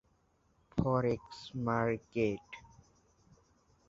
গানে কণ্ঠ দিয়েছেন কিরণ চন্দ্র রায়, তপন চৌধুরী।